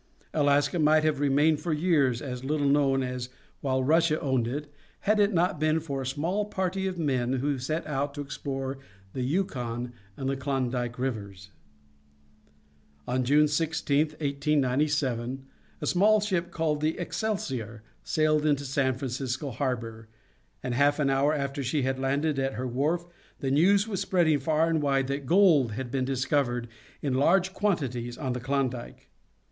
Alaska might have remained for years as little known as while Russia owned it had it not been for a small party of men who set out to explore the Yukon and the Klondike Rivers. On June 16, 1897, a small ship called the Excelsior sailed into San Francisco Harbor, and half an hour after she had landed at her wharf the news was spreading far and wide that gold had been discovered in large quantities on the Klondike.